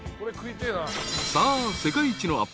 ［さあ世界一の